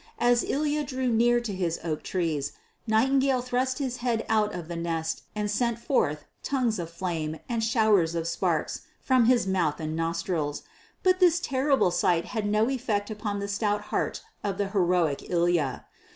As Ilya drew near to his oak trees, Nightingale thrust his head out of the nest and sent forth tongues of flame and showers of sparks from his mouth and nostrils; but this terrible sight had no effect upon the stout heart of the heroic Ilya.